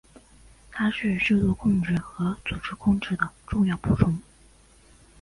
它是制度控制和组织控制的重要补充。